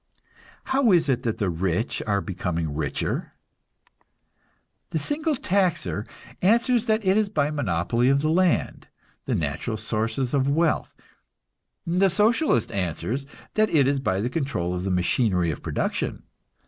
How is it that the rich are becoming richer? The single taxer answers that it is by monopoly of the land, the natural sources of wealth; the Socialist answers that it is by the control of the machinery of production.